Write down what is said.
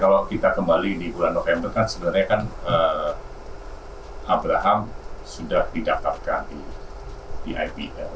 kalau kita kembali di bulan november kan sebenarnya kan abraham sudah didaftarkan di ipm